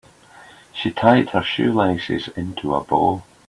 She tied her shoelaces into a bow.